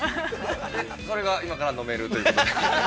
それが今から飲めるということで。